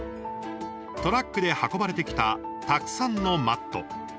トラックで運ばれてきたたくさんのマット。